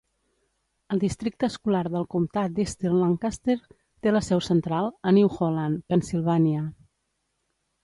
El districte escolar del comtat d'Eastern Lancaster té la seu central a New Holland, Pennsilvània.